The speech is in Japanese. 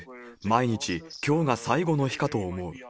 毎日、きょうが最期の日かと思う。